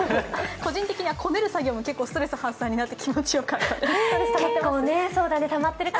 個人的にはこねる作業もストレス発散になって気持ちよかったです。